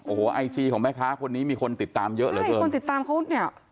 โอ้โหไอจีของแม่ค้าคนนี้มีคนติดตามเยอะเหลือเกินคนติดตามเขาเนี่ย